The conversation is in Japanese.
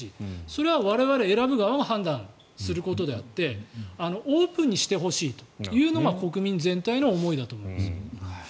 それは我々選ぶ側が判断することであってオープンにしてほしいというのが国民全体の思いだと思います。